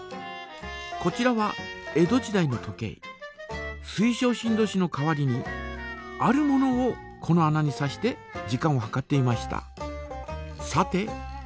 こちらは水晶振動子の代わりにあるものをこの穴に挿して時間を計っていました。